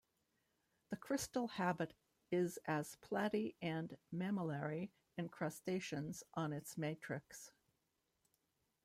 The crystal habit is as platy and mammillary encrustations on its matrix.